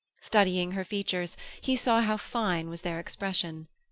Studying her features, he saw how fine was their expression.